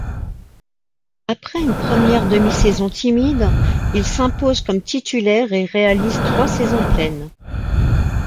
Après une première demi-saison timide, il s'impose comme titulaire et réalise trois saisons pleines.